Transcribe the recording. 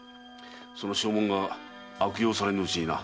その証文が悪用されぬうちにな。